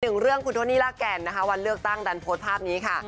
หนึ่งเรื่องคุณโทนี่ลากแก่นนะคะวันเลือกตั้งดันโพสต์ภาพนี้ค่ะ